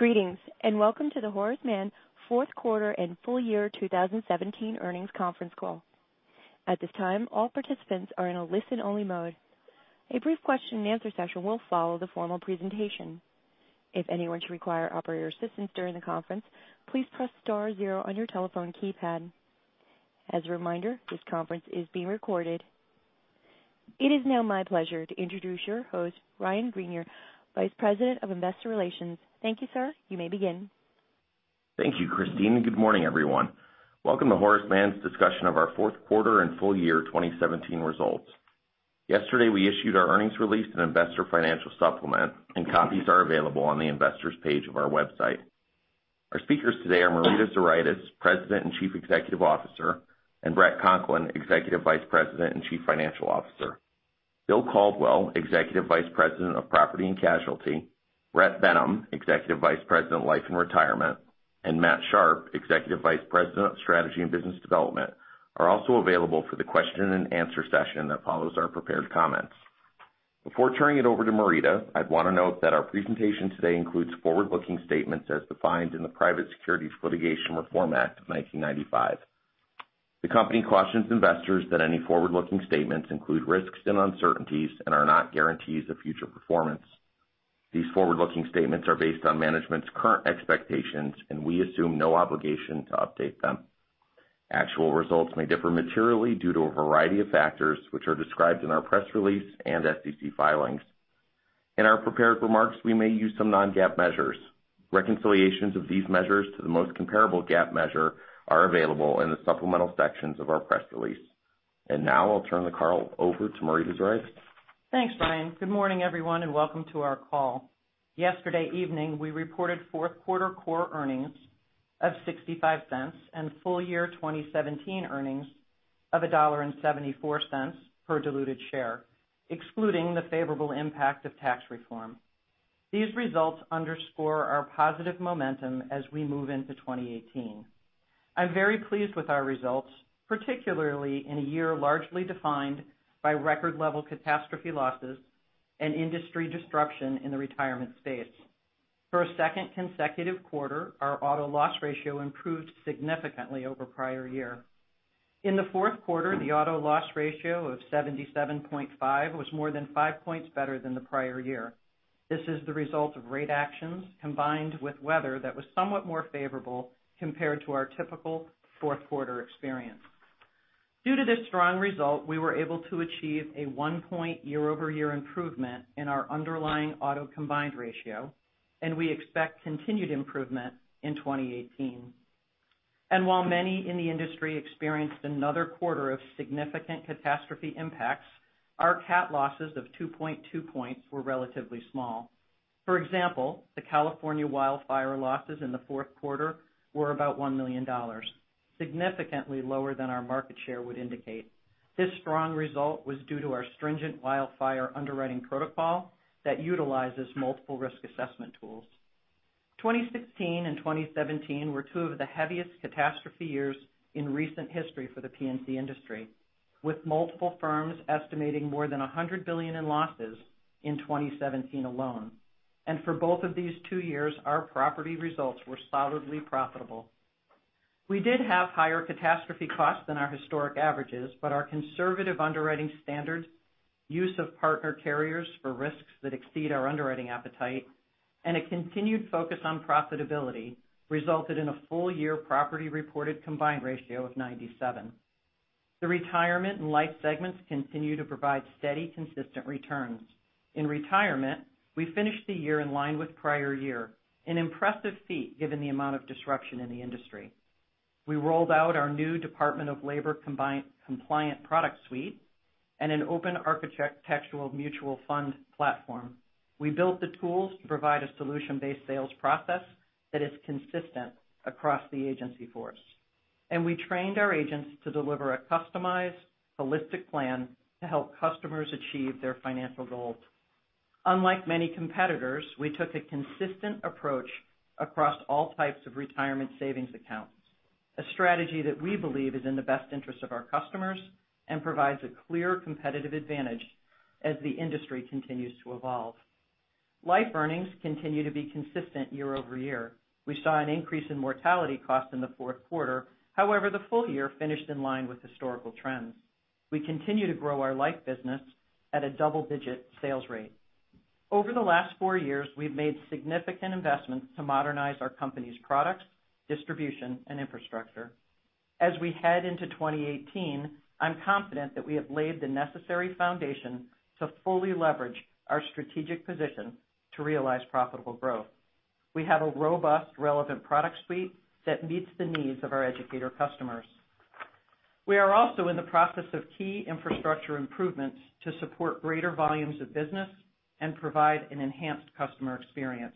Greetings, and welcome to the Horace Mann fourth quarter and full year 2017 earnings conference call. At this time, all participants are in a listen-only mode. A brief question and answer session will follow the formal presentation. If anyone should require operator assistance during the conference, please press star zero on your telephone keypad. As a reminder, this conference is being recorded. It is now my pleasure to introduce your host, Ryan Greenier, Vice President of Investor Relations. Thank you, sir. You may begin. Thank you, Christine, and good morning, everyone. Welcome to Horace Mann's discussion of our fourth quarter and full year 2017 results. Yesterday, we issued our earnings release and investor financial supplement, and copies are available on the investors page of our website. Our speakers today are Marita Zuraitis, President and Chief Executive Officer, and Bret Conklin, Executive Vice President and Chief Financial Officer. Bill Caldwell, Executive Vice President of Property and Casualty, Bret Benham, Executive Vice President, Life and Retirement, and Matt Sharpe, Executive Vice President of Strategy and Business Development, are also available for the question and answer session that follows our prepared comments. Before turning it over to Marita, I'd want to note that our presentation today includes forward-looking statements as defined in the Private Securities Litigation Reform Act of 1995. The company cautions investors that any forward-looking statements include risks and uncertainties and are not guarantees of future performance. These forward-looking statements are based on management's current expectations, and we assume no obligation to update them. Actual results may differ materially due to a variety of factors, which are described in our press release and SEC filings. In our prepared remarks, we may use some non-GAAP measures. Reconciliations of these measures to the most comparable GAAP measure are available in the supplemental sections of our press release. Now I'll turn the call over to Marita Zuraitis. Thanks, Ryan. Good morning, everyone, and welcome to our call. Yesterday evening, we reported fourth quarter core earnings of $0.65 and full year 2017 earnings of $1.74 per diluted share, excluding the favorable impact of tax reform. These results underscore our positive momentum as we move into 2018. I'm very pleased with our results, particularly in a year largely defined by record-level catastrophe losses and industry disruption in the retirement space. For a second consecutive quarter, our auto loss ratio improved significantly over prior year. In the fourth quarter, the auto loss ratio of 77.5 was more than 5 points better than the prior year. This is the result of rate actions combined with weather that was somewhat more favorable compared to our typical fourth-quarter experience. Due to this strong result, we were able to achieve a 1-point year-over-year improvement in our underlying auto combined ratio. We expect continued improvement in 2018. While many in the industry experienced another quarter of significant catastrophe impacts, our cat losses of 2.2 points were relatively small. For example, the California wildfire losses in the fourth quarter were about $1 million, significantly lower than our market share would indicate. This strong result was due to our stringent wildfire underwriting protocol that utilizes multiple risk assessment tools. 2016 and 2017 were two of the heaviest catastrophe years in recent history for the P&C industry, with multiple firms estimating more than $100 billion in losses in 2017 alone. For both of these two years, our property results were solidly profitable. We did have higher catastrophe costs than our historic averages, but our conservative underwriting standards, use of partner carriers for risks that exceed our underwriting appetite, and a continued focus on profitability resulted in a full-year property reported combined ratio of 97. The retirement and life segments continue to provide steady, consistent returns. In retirement, we finished the year in line with prior year, an impressive feat given the amount of disruption in the industry. We rolled out our new Department of Labor compliant product suite and an open architectural mutual fund platform. We built the tools to provide a solution-based sales process that is consistent across the agency force. We trained our agents to deliver a customized, holistic plan to help customers achieve their financial goals. Unlike many competitors, we took a consistent approach across all types of retirement savings accounts, a strategy that we believe is in the best interest of our customers and provides a clear competitive advantage as the industry continues to evolve. Life earnings continue to be consistent year-over-year. We saw an increase in mortality costs in the fourth quarter. However, the full year finished in line with historical trends. We continue to grow our life business at a double-digit sales rate. Over the last four years, we've made significant investments to modernize our company's products, distribution, and infrastructure. As we head into 2018, I'm confident that we have laid the necessary foundation to fully leverage our strategic position to realize profitable growth. We have a robust, relevant product suite that meets the needs of our educator customers. We are also in the process of key infrastructure improvements to support greater volumes of business and provide an enhanced customer experience.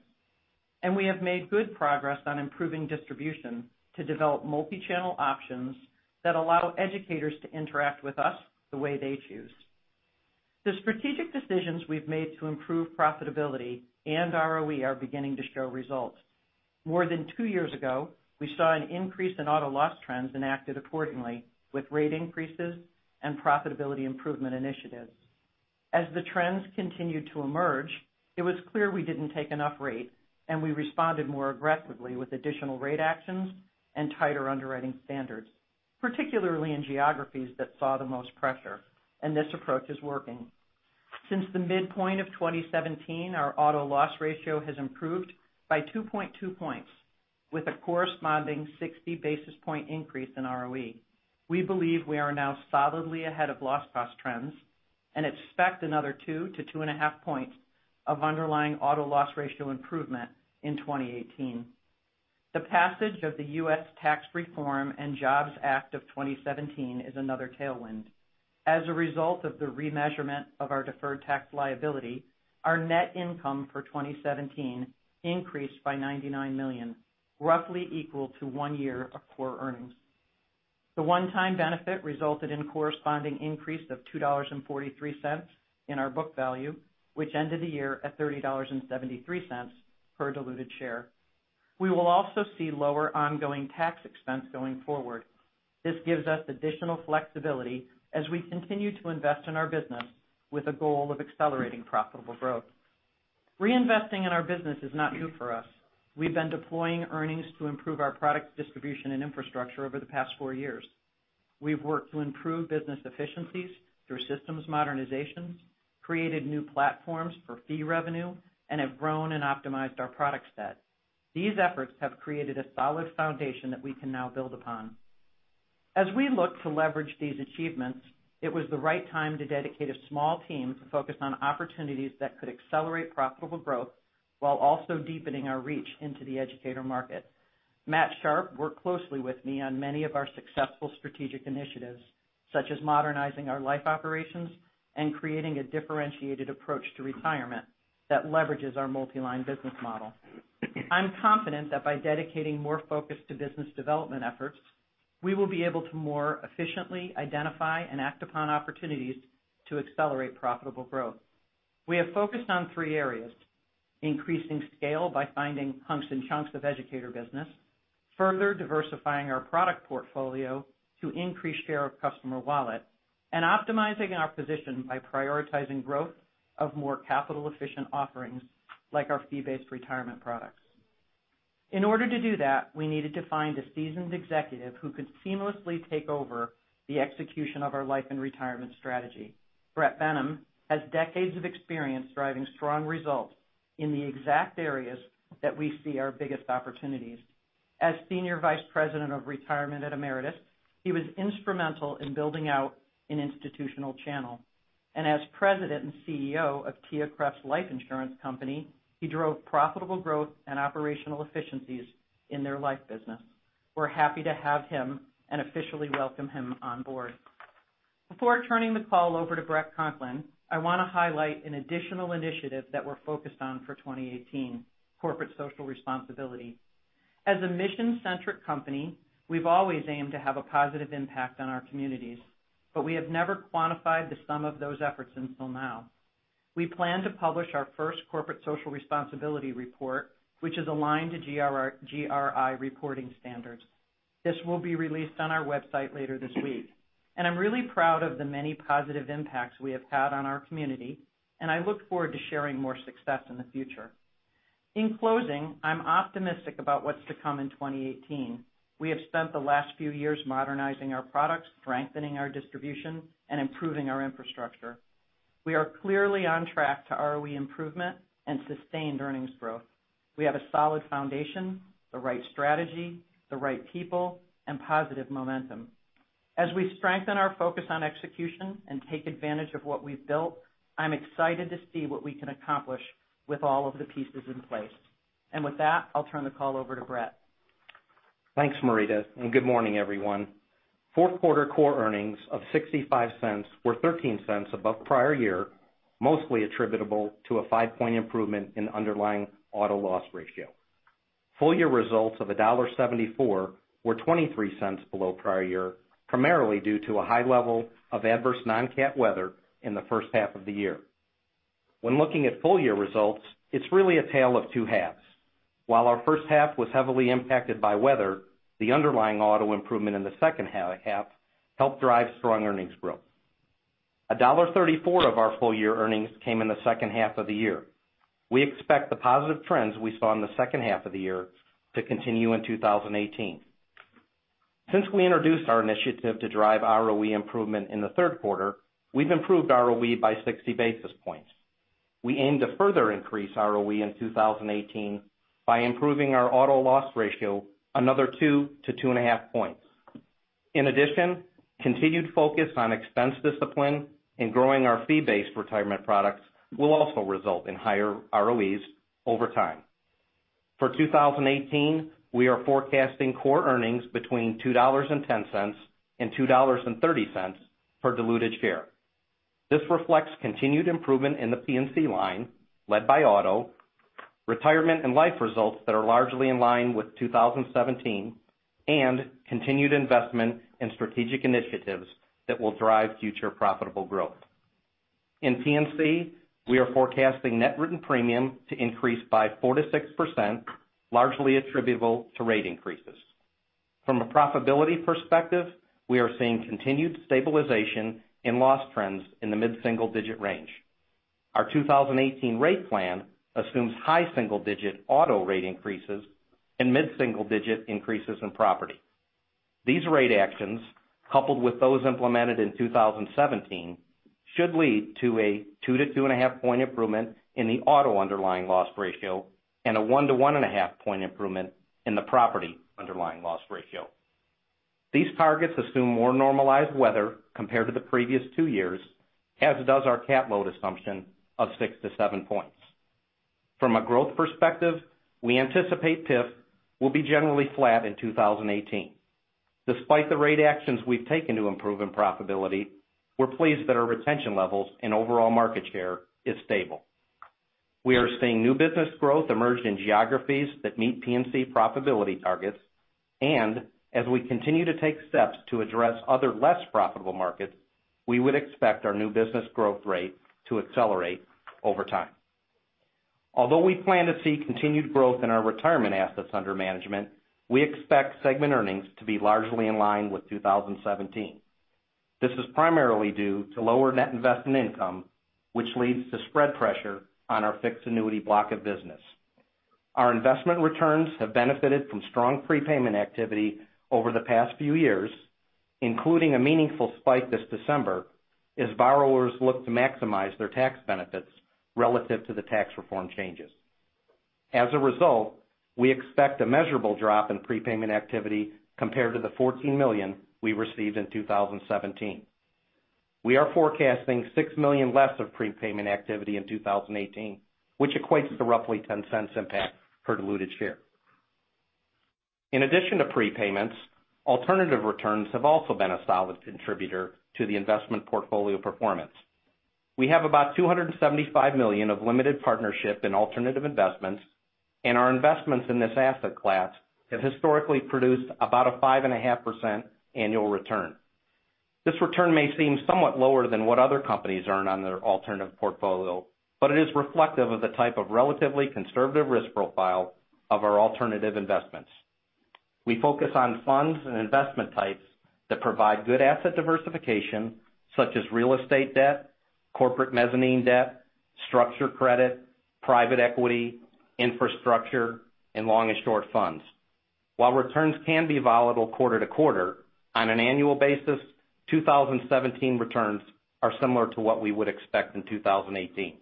We have made good progress on improving distribution to develop multi-channel options that allow educators to interact with us the way they choose. The strategic decisions we've made to improve profitability and ROE are beginning to show results. More than two years ago, we saw an increase in auto loss trends and acted accordingly with rate increases and profitability improvement initiatives. As the trends continued to emerge, it was clear we didn't take enough rate. We responded more aggressively with additional rate actions and tighter underwriting standards, particularly in geographies that saw the most pressure. This approach is working. Since the midpoint of 2017, our auto loss ratio has improved by 2.2 points with a corresponding 60 basis point increase in ROE. We believe we are now solidly ahead of loss cost trends and expect another 2 to 2.5 points of underlying auto loss ratio improvement in 2018. The passage of the Tax Cuts and Jobs Act of 2017 is another tailwind. As a result of the remeasurement of our deferred tax liability, our net income for 2017 increased by $99 million, roughly equal to one year of core earnings. The one-time benefit resulted in corresponding increase of $2.43 in our book value, which ended the year at $30.73 per diluted share. We will also see lower ongoing tax expense going forward. This gives us additional flexibility as we continue to invest in our business with a goal of accelerating profitable growth. Reinvesting in our business is not new for us. We've been deploying earnings to improve our product distribution and infrastructure over the past four years. We've worked to improve business efficiencies through systems modernizations, created new platforms for fee revenue, and have grown and optimized our product set. These efforts have created a solid foundation that we can now build upon. As we look to leverage these achievements, it was the right time to dedicate a small team to focus on opportunities that could accelerate profitable growth while also deepening our reach into the educator market. Matt Sharpe worked closely with me on many of our successful strategic initiatives, such as modernizing our life operations and creating a differentiated approach to retirement that leverages our multi-line business model. I'm confident that by dedicating more focus to business development efforts, we will be able to more efficiently identify and act upon opportunities to accelerate profitable growth. We have focused on three areas, increasing scale by finding hunks and chunks of educator business, further diversifying our product portfolio to increase share of customer wallet, and optimizing our position by prioritizing growth of more capital-efficient offerings like our fee-based retirement products. In order to do that, we needed to find a seasoned executive who could seamlessly take over the execution of our life and retirement strategy. Bret Benham has decades of experience driving strong results in the exact areas that we see our biggest opportunities. As Senior Vice President of Retirement at Ameritas, he was instrumental in building out an institutional channel. As President and CEO of TIAA-CREF Life Insurance Company, he drove profitable growth and operational efficiencies in their life business. We're happy to have him and officially welcome him on board. Before turning the call over to Bret Conklin, I want to highlight an additional initiative that we're focused on for 2018, corporate social responsibility. As a mission-centric company, we've always aimed to have a positive impact on our communities, but we have never quantified the sum of those efforts until now. We plan to publish our first corporate social responsibility report, which is aligned to GRI reporting standards. This will be released on our website later this week. I'm really proud of the many positive impacts we have had on our community, and I look forward to sharing more success in the future. In closing, I'm optimistic about what's to come in 2018. We have spent the last few years modernizing our products, strengthening our distribution, and improving our infrastructure. We are clearly on track to ROE improvement and sustained earnings growth. We have a solid foundation, the right strategy, the right people, and positive momentum. As we strengthen our focus on execution and take advantage of what we've built, I'm excited to see what we can accomplish with all of the pieces in place. With that, I'll turn the call over to Bret. Thanks, Marita, good morning, everyone. Fourth quarter core earnings of $0.65 were $0.13 above prior year, mostly attributable to a 5-point improvement in underlying auto loss ratio. Full-year results of $1.74 were $0.23 below prior year, primarily due to a high level of adverse non-cat weather in the first half of the year. When looking at full-year results, it's really a tale of two halves. While our first half was heavily impacted by weather, the underlying auto improvement in the second half helped drive strong earnings growth. $1.34 of our full year earnings came in the second half of the year. We expect the positive trends we saw in the second half of the year to continue in 2018. Since we introduced our initiative to drive ROE improvement in the third quarter, we've improved ROE by 60 basis points. We aim to further increase ROE in 2018 by improving our auto loss ratio another 2 to 2.5 points. In addition, continued focus on expense discipline and growing our fee-based retirement products will also result in higher ROEs over time. For 2018, we are forecasting core earnings between $2.10 and $2.30 per diluted share. This reflects continued improvement in the P&C line led by auto, retirement and life results that are largely in line with 2017, and continued investment in strategic initiatives that will drive future profitable growth. In P&C, we are forecasting net written premium to increase by 4%-6%, largely attributable to rate increases. From a profitability perspective, we are seeing continued stabilization in loss trends in the mid-single-digit range. Our 2018 rate plan assumes high single-digit auto rate increases and mid-single-digit increases in property. These rate actions, coupled with those implemented in 2017, should lead to a 2 to 2.5 point improvement in the auto underlying loss ratio and a 1 to 1.5 point improvement in the property underlying loss ratio. These targets assume more normalized weather compared to the previous two years, as does our catastrophe load assumption of 6 to 7 points. From a growth perspective, we anticipate PIF will be generally flat in 2018. Despite the rate actions we've taken to improve in profitability, we're pleased that our retention levels and overall market share is stable. As we continue to take steps to address other less profitable markets, we would expect our new business growth rate to accelerate over time. Although we plan to see continued growth in our retirement assets under management, we expect segment earnings to be largely in line with 2017. This is primarily due to lower net investment income, which leads to spread pressure on our fixed annuity block of business. Our investment returns have benefited from strong prepayment activity over the past few years, including a meaningful spike this December as borrowers look to maximize their tax benefits relative to the tax reform changes. As a result, we expect a measurable drop in prepayment activity compared to the $14 million we received in 2017. We are forecasting $6 million less of prepayment activity in 2018, which equates to roughly $0.10 impact per diluted share. In addition to prepayments, alternative returns have also been a solid contributor to the investment portfolio performance. We have about $275 million of limited partnership in alternative investments, and our investments in this asset class have historically produced about a 5.5% annual return. This return may seem somewhat lower than what other companies earn on their alternative portfolio, but it is reflective of the type of relatively conservative risk profile of our alternative investments. We focus on funds and investment types that provide good asset diversification, such as real estate debt, corporate mezzanine debt, structured credit, private equity, infrastructure, and long and short funds. While returns can be volatile quarter to quarter, on an annual basis, 2017 returns are similar to what we would expect in 2018.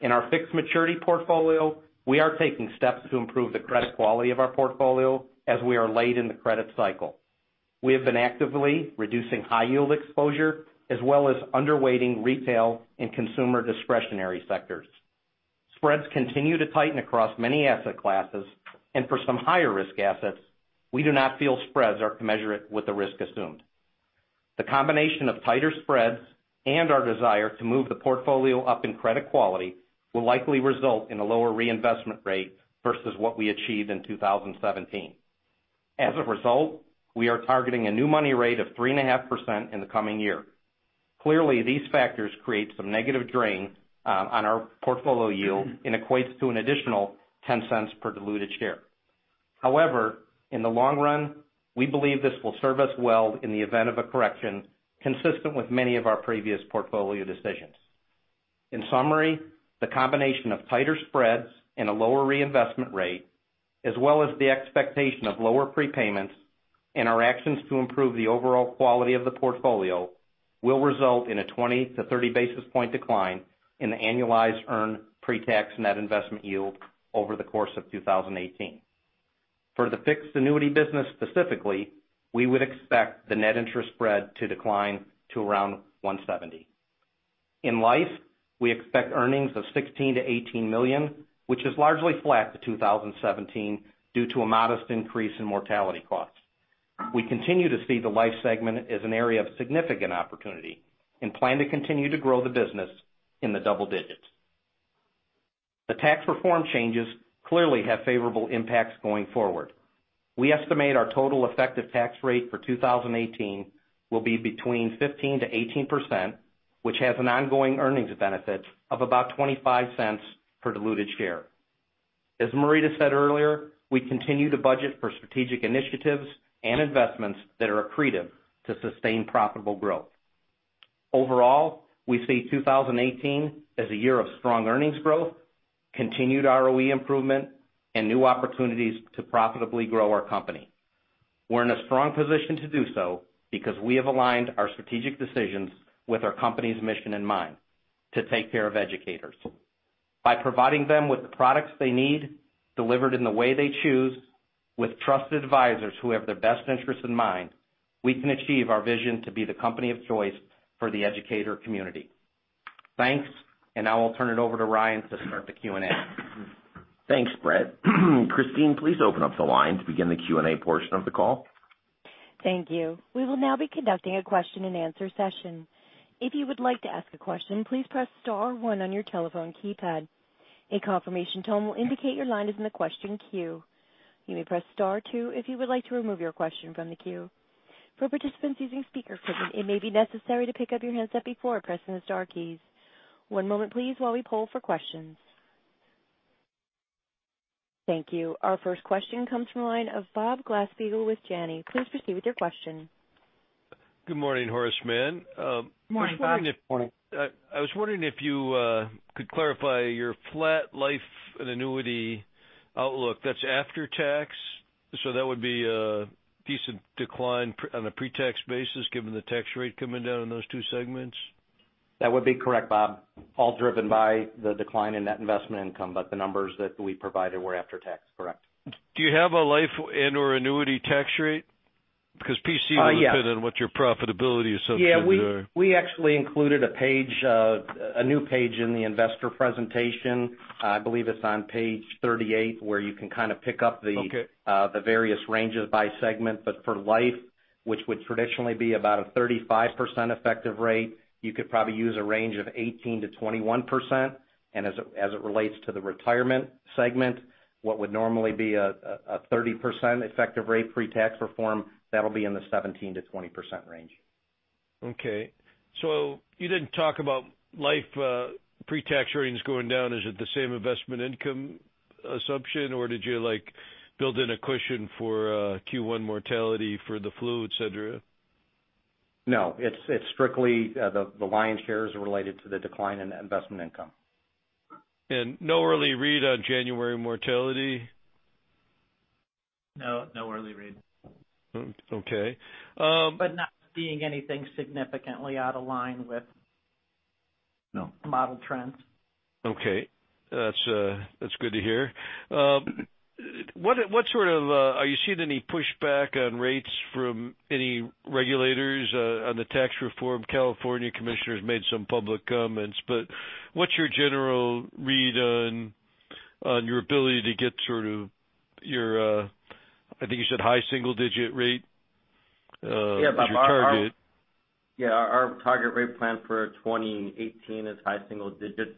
In our fixed maturity portfolio, we are taking steps to improve the credit quality of our portfolio as we are late in the credit cycle. We have been actively reducing high yield exposure as well as underweighting retail and consumer discretionary sectors. Spreads continue to tighten across many asset classes, for some higher risk assets, we do not feel spreads are commensurate with the risk assumed. The combination of tighter spreads and our desire to move the portfolio up in credit quality will likely result in a lower reinvestment rate versus what we achieved in 2017. As a result, we are targeting a new money rate of 3.5% in the coming year. Clearly, these factors create some negative drain on our portfolio yield and equates to an additional $0.10 per diluted share. However, in the long run, we believe this will serve us well in the event of a correction consistent with many of our previous portfolio decisions. In summary, the combination of tighter spreads and a lower reinvestment rate, as well as the expectation of lower prepayments and our actions to improve the overall quality of the portfolio, will result in a 20-30 basis point decline in the annualized earn pre-tax net investment yield over the course of 2018. For the fixed annuity business specifically, we would expect the net interest spread to decline to around 170. In life, we expect earnings of $16 million-$18 million, which is largely flat to 2017 due to a modest increase in mortality costs. We continue to see the life segment as an area of significant opportunity and plan to continue to grow the business in the double digits. The tax reform changes clearly have favorable impacts going forward. We estimate our total effective tax rate for 2018 will be between 15%-18%, which has an ongoing earnings benefit of about $0.25 per diluted share. As Marita said earlier, we continue to budget for strategic initiatives and investments that are accretive to sustain profitable growth. Overall, we see 2018 as a year of strong earnings growth, continued ROE improvement, and new opportunities to profitably grow our company. We're in a strong position to do so because we have aligned our strategic decisions with our company's mission in mind: to take care of educators. By providing them with the products they need, delivered in the way they choose, with trusted advisors who have their best interests in mind, we can achieve our vision to be the company of choice for the educator community. Thanks. Now I'll turn it over to Ryan to start the Q&A. Thanks, Bret. Christine, please open up the line to begin the Q&A portion of the call. Thank you. We will now be conducting a question and answer session. If you would like to ask a question, please press star one on your telephone keypad. A confirmation tone will indicate your line is in the question queue. You may press star two if you would like to remove your question from the queue. For participants using speakerphone, it may be necessary to pick up your handset before pressing the star keys. One moment please while we poll for questions. Thank you. Our first question comes from the line of Bob Glasspiegel with Janney. Please proceed with your question. Good morning, Horace Mann. Morning, Bob. Good morning. I was wondering if you could clarify your flat life and annuity outlook, that's after tax? That would be a decent decline on a pre-tax basis given the tax rate coming down in those two segments. That would be correct, Bob. All driven by the decline in net investment income, but the numbers that we provided were after tax, correct. Do you have a life and/or annuity tax rate? Because P&C will depend- Yes on what your profitability assumptions are. Yeah. We actually included a new page in the investor presentation. I believe it's on page 38, where you can kind of pick up the- Okay The various ranges by segment, but for life, which would traditionally be about a 35% effective rate, you could probably use a range of 18%-21%. As it relates to the retirement segment, what would normally be a 30% effective rate pre-tax reform, that'll be in the 17%-20% range. Okay. You didn't talk about life pre-tax ratings going down. Is it the same investment income assumption, or did you build in a cushion for Q1 mortality for the flu, et cetera? No. It's strictly the lion's share is related to the decline in investment income. No early read on January mortality? No, early read. Okay. Not seeing anything significantly out of line with- No model trends. Okay. That's good to hear. Are you seeing any pushback on rates from any regulators on the tax reform? California commissioner's made some public comments, what's your general read on your ability to get sort of your, I think you said high single-digit rate- Yeah, Bob. is your target. Yeah, our target rate plan for 2018 is high single digits.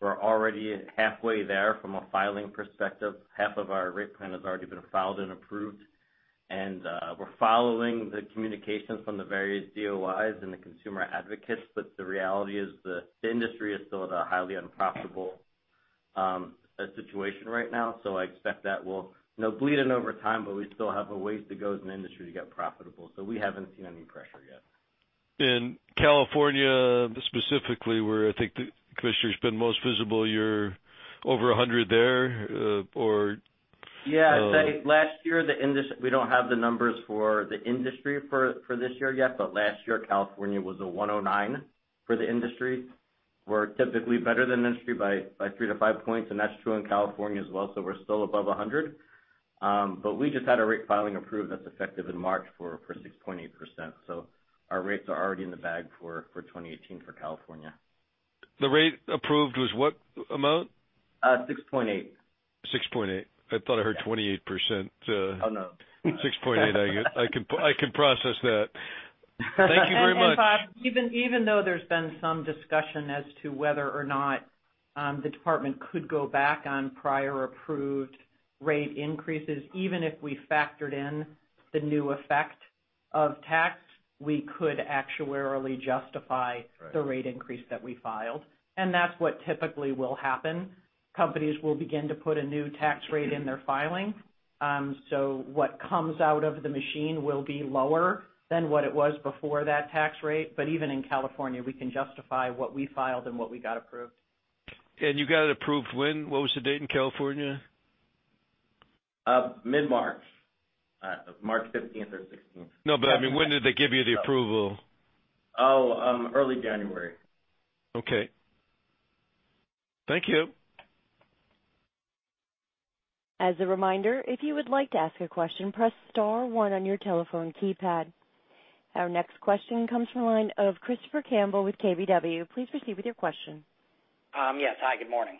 We're already halfway there from a filing perspective. Half of our rate plan has already been filed and approved, and we're following the communications from the various DOI and the consumer advocates. The reality is the industry is still at a highly unprofitable situation right now. I expect that will bleed in over time, but we still have a ways to go as an industry to get profitable. We haven't seen any pressure yet. In California, specifically, where I think the commissioner's been most visible, you're over 100 there. Yeah. We don't have the numbers for the industry for this year yet, but last year, California was a 109 for the industry. We're typically better than the industry by three to five points, and that's true in California as well. We're still above 100. We just had a rate filing approved that's effective in March for 6.8%, so our rates are already in the bag for 2018 for California. The rate approved was what amount? 6.8. 6.8. I thought I heard 28%. Oh, no. 6.8, I can process that. Thank you very much. Bob, even though there's been some discussion as to whether or not the Department could go back on prior approved rate increases, even if we factored in the new effect of tax, we could actuarially justify- Right the rate increase that we filed. That's what typically will happen. Companies will begin to put a new tax rate in their filing. What comes out of the machine will be lower than what it was before that tax rate. Even in California, we can justify what we filed and what we got approved. You got it approved when? What was the date in California? Mid-March. March 15th or 16th. No, I mean, when did they give you the approval? Early January. Okay. Thank you. As a reminder, if you would like to ask a question, press star one on your telephone keypad. Our next question comes from the line of Christopher Campbell with KBW. Please proceed with your question. Yes. Hi, good morning.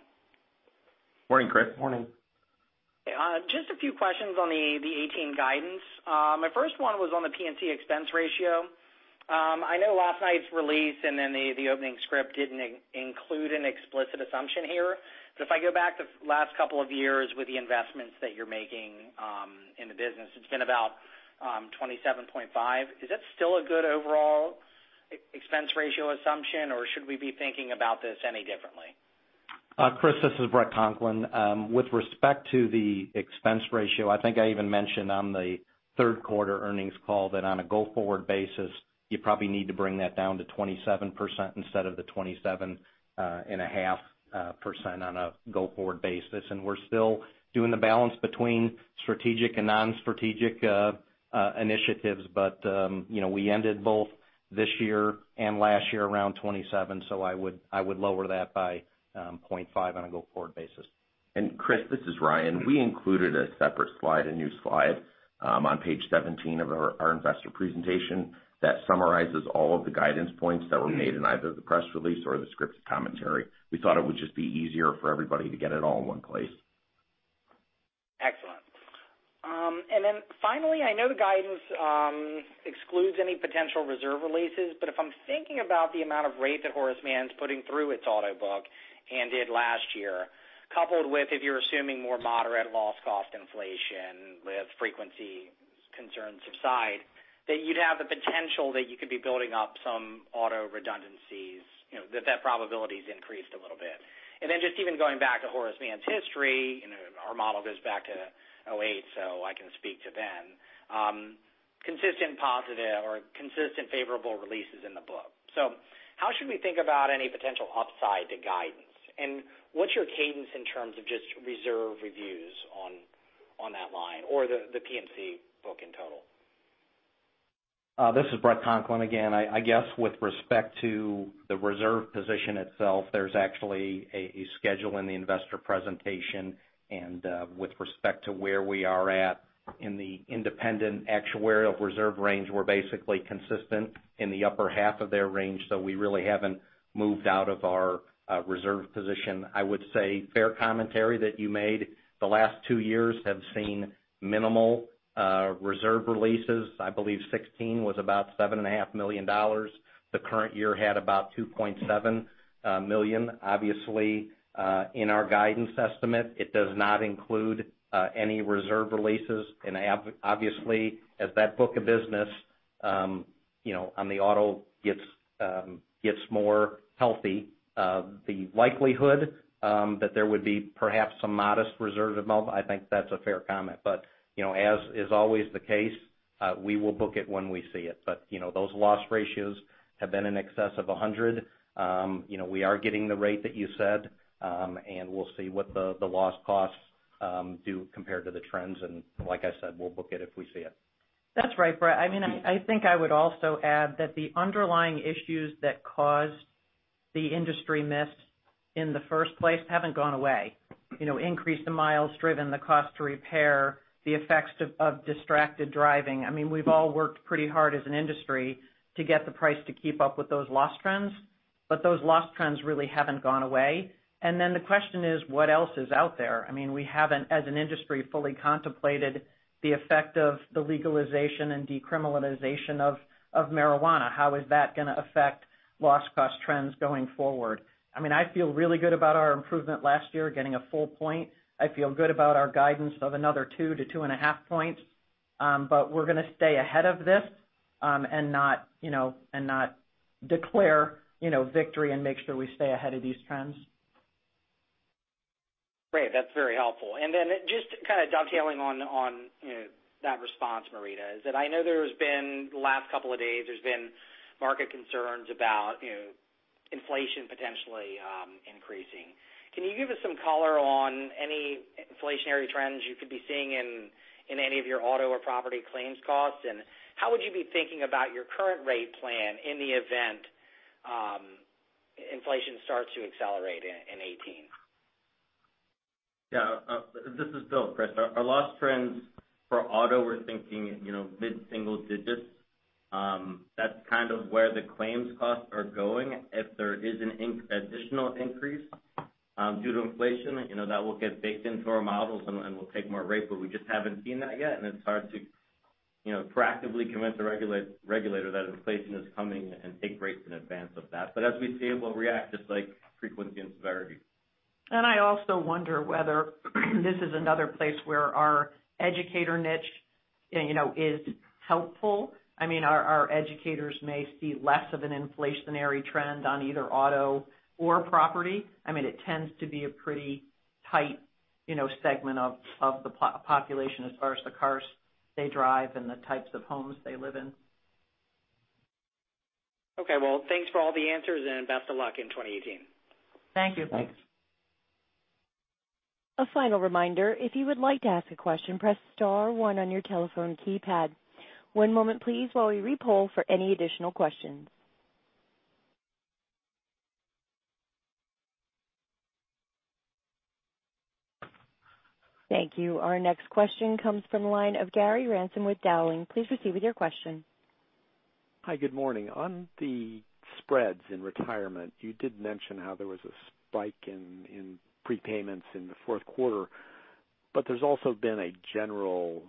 Morning, Chris. Morning. Just a few questions on the 2018 guidance. My first one was on the P&C expense ratio. I know last night's release and then the opening script didn't include an explicit assumption here, but if I go back to last couple of years with the investments that you're making in the business, it's been about 27.5. Is that still a good overall expense ratio assumption, or should we be thinking about this any differently? Chris, this is Bret Conklin. With respect to the expense ratio, I think I even mentioned on the third quarter earnings call that on a go-forward basis, you probably need to bring that down to 27% instead of the 27.5% on a go-forward basis. We're still doing the balance between strategic and non-strategic initiatives. We ended both this year and last year around 27, so I would lower that by 0.5 on a go-forward basis. Chris, this is Ryan. We included a separate slide, a new slide, on page 17 of our investor presentation that summarizes all of the guidance points that were made in either the press release or the scripted commentary. We thought it would just be easier for everybody to get it all in one place. Excellent. Finally, I know the guidance excludes any potential reserve releases, but if I'm thinking about the amount of rate that Horace Mann's putting through its auto book and did last year, coupled with if you're assuming more moderate loss cost inflation with frequency concerns subside, that you'd have the potential that you could be building up some auto redundancies, that that probability is increased a little bit. Just even going back to Horace Mann's history, our model goes back to 2008, so I can speak to then. Consistent positive or consistent favorable releases in the book. How should we think about any potential upside to guidance? What's your cadence in terms of just reserve reviews on that line or the P&C book in total? This is Bret Conklin again. I guess with respect to the reserve position itself, there's actually a schedule in the investor presentation. With respect to where we are at in the independent actuary of reserve range, we're basically consistent in the upper half of their range, so we really haven't moved out of our reserve position. I would say fair commentary that you made. The last two years have seen minimal reserve releases. I believe 2016 was about $7.5 million. The current year had about $2.7 million. Obviously, in our guidance estimate, it does not include any reserve releases. Obviously, as that book of business on the auto gets more healthy, the likelihood that there would be perhaps some modest reserve development, I think that's a fair comment. As is always the case, we will book it when we see it. Those loss ratios have been in excess of 100. We are getting the rate that you said, and we'll see what the loss costs do compared to the trends. Like I said, we'll book it if we see it. That's right, Bret. I think I would also add that the underlying issues that caused the industry miss in the first place haven't gone away. Increase the miles driven, the cost to repair, the effects of distracted driving. We've all worked pretty hard as an industry to get the price to keep up with those loss trends, but those loss trends really haven't gone away. The question is, what else is out there? We haven't, as an industry, fully contemplated the effect of the legalization and decriminalization of marijuana. How is that going to affect loss cost trends going forward? I feel really good about our improvement last year, getting a full point. I feel good about our guidance of another 2 to 2.5 points. We're going to stay ahead of this and not declare victory and make sure we stay ahead of these trends. Great. That's very helpful. Just kind of dovetailing on that response, Marita, is that I know the last couple of days, there's been market concerns about inflation potentially increasing. Can you give us some color on any inflationary trends you could be seeing in any of your auto or property claims costs? How would you be thinking about your current rate plan in the event inflation starts to accelerate in 2018? Yeah. This is Bill, Chris. Our loss trends for auto, we're thinking mid-single digits. That's kind of where the claims costs are going. If there is an additional increase due to inflation, that will get baked into our models, and we'll take more rate, but we just haven't seen that yet. It's hard to proactively convince a regulator that inflation is coming and take rates in advance of that. As we see, we'll react just like frequency and severity. I also wonder whether this is another place where our educator niche is helpful. Our educators may see less of an inflationary trend on either auto or property. It tends to be a pretty tight segment of the population as far as the cars they drive and the types of homes they live in. Okay. Well, thanks for all the answers, best of luck in 2018. Thank you. Thanks. A final reminder, if you would like to ask a question, press star one on your telephone keypad. One moment, please, while we re-poll for any additional questions. Thank you. Our next question comes from the line of Gary Ransom with Dowling. Please proceed with your question. Hi, good morning. On the spreads in retirement, you did mention how there was a spike in prepayments in the fourth quarter, but there's also been a general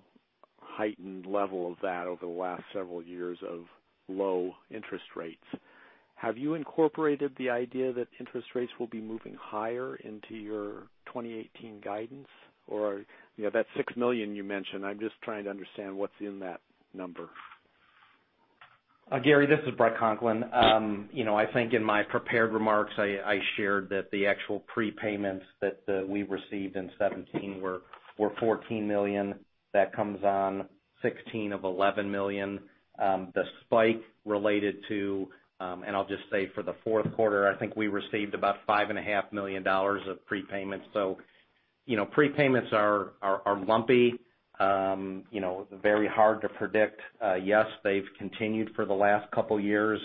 heightened level of that over the last several years of low interest rates. Have you incorporated the idea that interest rates will be moving higher into your 2018 guidance? That $6 million you mentioned, I'm just trying to understand what's in that number. Gary, this is Bret Conklin. I think in my prepared remarks, I shared that the actual prepayments that we received in 2017 were $14 million. That comes on 2016 of $11 million. The spike related to, and I'll just say for the fourth quarter, I think we received about $5.5 million of prepayments. Prepayments are lumpy. Very hard to predict. Yes, they've continued for the last couple of years,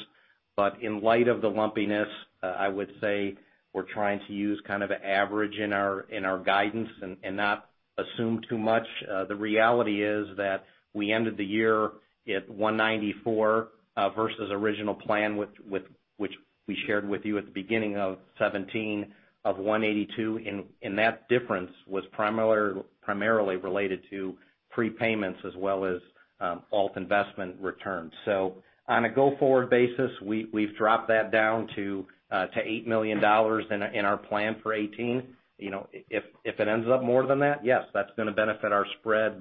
but in light of the lumpiness, I would say we're trying to use kind of an average in our guidance and not assume too much. The reality is that we ended the year at $194 million versus original plan, which we shared with you at the beginning of 2017, of $182 million. That difference was primarily related to prepayments as well as alt investment returns. On a go-forward basis, we've dropped that down to $8 million in our plan for 2018. If it ends up more than that, yes, that's going to benefit our spread.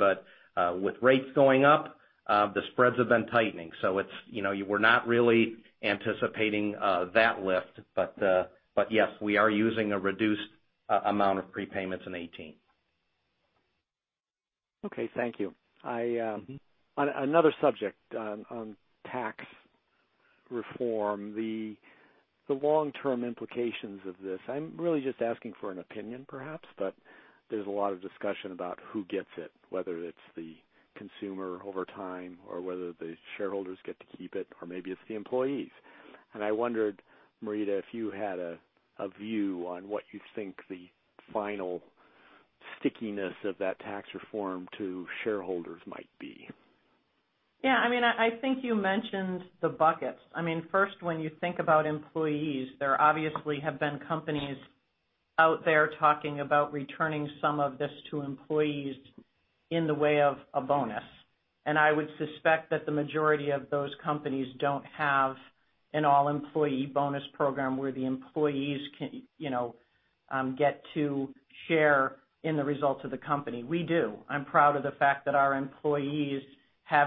With rates going up, the spreads have been tightening. We're not really anticipating that lift. Yes, we are using a reduced amount of prepayments in 2018. Okay. Thank you. On another subject, on tax reform, the long-term implications of this. I'm really just asking for an opinion perhaps, but there's a lot of discussion about who gets it, whether it's the consumer over time or whether the shareholders get to keep it, or maybe it's the employees. I wondered, Marita, if you had a view on what you think the final stickiness of that tax reform to shareholders might be. Yeah. I think you mentioned the buckets. First, when you think about employees, there obviously have been companies out there talking about returning some of this to employees in the way of a bonus. I would suspect that the majority of those companies don't have an all-employee bonus program where the employees can get to share in the results of the company. We do. I'm proud of the fact that our employees have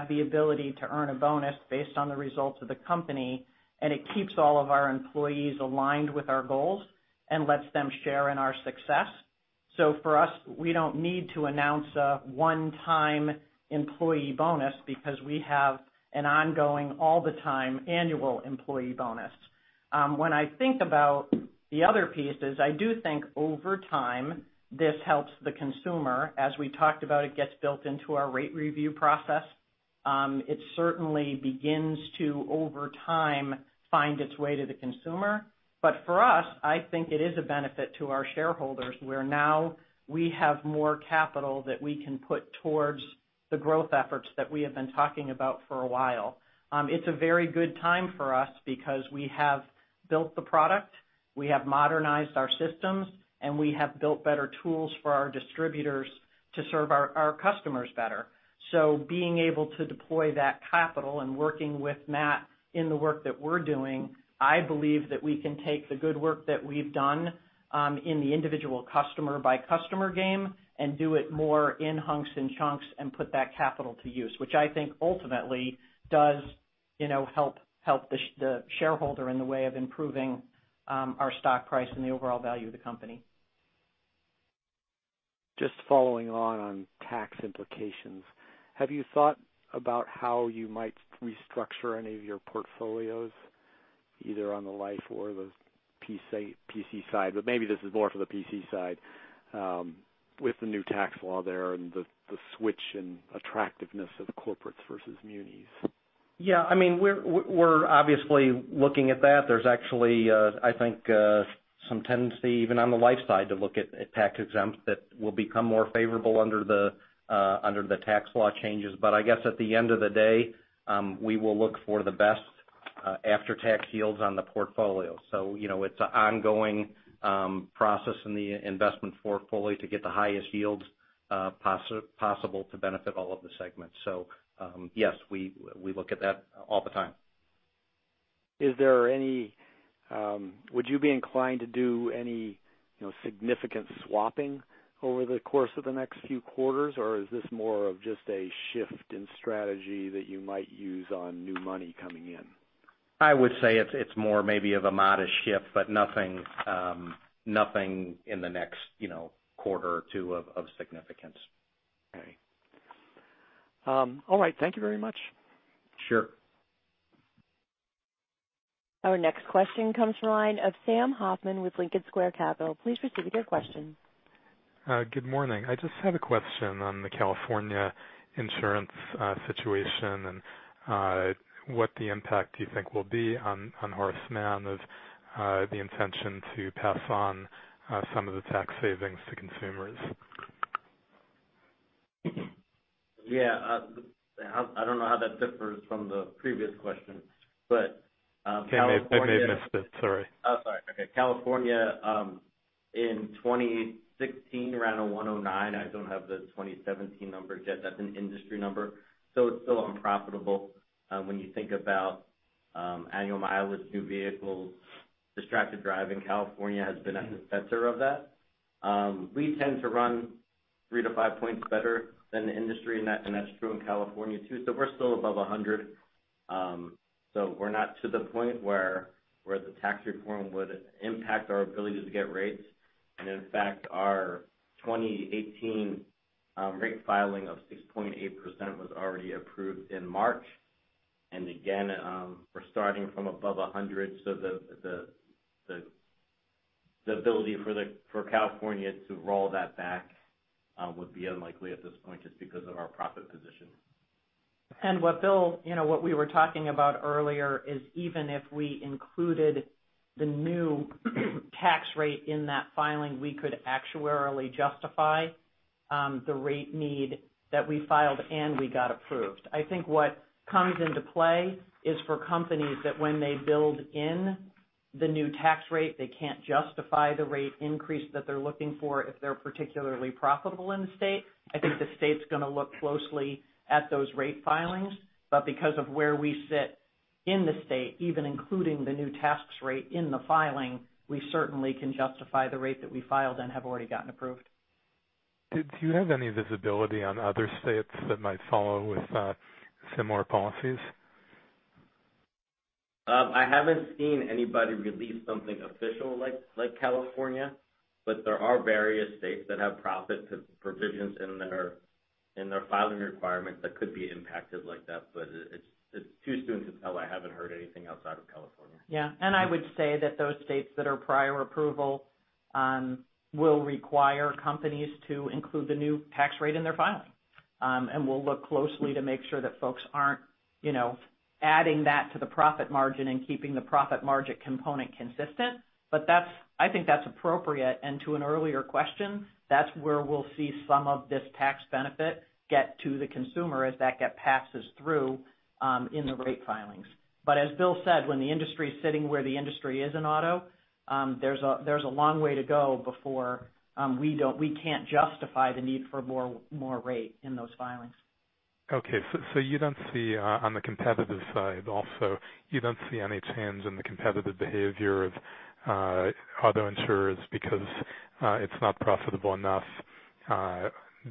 the ability to earn a bonus based on the results of the company, it keeps all of our employees aligned with our goals and lets them share in our success. For us, we don't need to announce a one-time employee bonus because we have an ongoing, all-the-time annual employee bonus. When I think about the other pieces, I do think over time, this helps the consumer. As we talked about, it gets built into our rate review process. It certainly begins to, over time, find its way to the consumer. For us, I think it is a benefit to our shareholders, where now we have more capital that we can put towards the growth efforts that we have been talking about for a while. It's a very good time for us because we have built the product, we have modernized our systems, we have built better tools for our distributors to serve our customers better. Being able to deploy that capital and working with Matt in the work that we're doing, I believe that we can take the good work that we've done in the individual customer-by-customer game and do it more in hunks and chunks and put that capital to use, which I think ultimately does help the shareholder in the way of improving our stock price and the overall value of the company. Just following on tax implications, have you thought about how you might restructure any of your portfolios, either on the life or the P&C side, but maybe this is more for the P&C side, with the new tax law there and the switch in attractiveness of corporates versus munis? We're obviously looking at that. There's actually, I think, some tendency even on the life side to look at tax exempt that will become more favorable under the tax law changes. I guess at the end of the day, we will look for the best after-tax yields on the portfolio. It's an ongoing process in the investment portfolio to get the highest yields possible to benefit all of the segments. Yes, we look at that all the time. Would you be inclined to do any significant swapping over the course of the next few quarters, or is this more of just a shift in strategy that you might use on new money coming in? I would say it's more maybe of a modest shift, but nothing in the next quarter or two of significance. Okay. All right. Thank you very much. Sure. Our next question comes from the line of Sam Hoffman with Lincoln Square Capital. Please proceed with your question. Good morning. I just had a question on the California insurance situation, and what the impact do you think will be on Horace Mann of the intention to pass on some of the tax savings to consumers? Yeah. I don't know how that differs from the previous question, but. I may have missed it. Sorry. Oh, sorry. Okay. California, in 2016, around a 109. I don't have the 2017 numbers yet. That's an industry number, so it's still unprofitable. When you think about annual mileage, new vehicles, distracted driving, California has been at the center of that. We tend to run three to five points better than the industry, and that's true in California, too. We're still above 100, so we're not to the point where the tax reform would impact our ability to get rates. In fact, our 2018 rate filing of 6.8% was already approved in March. Again, we're starting from above 100, so the ability for California to roll that back would be unlikely at this point just because of our profit position. What Bill, what we were talking about earlier is even if we included the new tax rate in that filing, we could actuarially justify the rate need that we filed, and we got approved. I think what comes into play is for companies that when they build in the new tax rate, they can't justify the rate increase that they're looking for if they're particularly profitable in the state. I think the state's going to look closely at those rate filings. Because of where we sit in the state, even including the new tax rate in the filing, we certainly can justify the rate that we filed and have already gotten approved. Do you have any visibility on other states that might follow with similar policies? I haven't seen anybody release something official like California, there are various states that have profit provisions in their filing requirements that could be impacted like that. It's too soon to tell. I haven't heard anything outside of California. Yeah. I would say that those states that are prior approval will require companies to include the new tax rate in their filing. We'll look closely to make sure that folks aren't adding that to the profit margin and keeping the profit margin component consistent. I think that's appropriate. To an earlier question, that's where we'll see some of this tax benefit get to the consumer as that get passes through in the rate filings. As Bill said, when the industry is sitting where the industry is in auto, there's a long way to go before we can't justify the need for more rate in those filings. Okay, you don't see on the competitive side also, you don't see any change in the competitive behavior of auto insurers because it's not profitable enough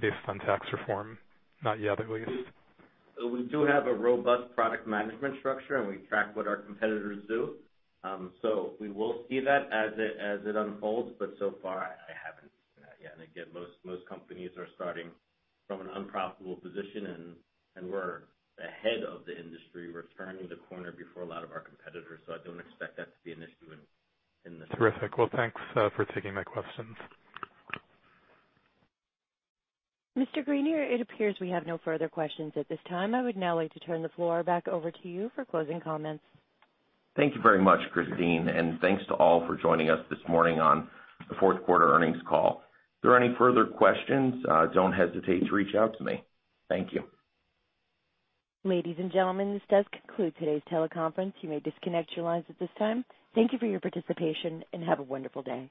based on tax reform, not yet at least? We do have a robust product management structure. We track what our competitors do. We will see that as it unfolds, but so far I haven't seen that yet. Again, most companies are starting from an unprofitable position. We're ahead of the industry. We're turning the corner before a lot of our competitors. I don't expect that to be an issue in this. Terrific. Well, thanks for taking my questions. Mr. Greenier, it appears we have no further questions at this time. I would now like to turn the floor back over to you for closing comments. Thank you very much, Christine. Thanks to all for joining us this morning on the fourth quarter earnings call. If there are any further questions, don't hesitate to reach out to me. Thank you. Ladies and gentlemen, this does conclude today's teleconference. You may disconnect your lines at this time. Thank you for your participation, and have a wonderful day.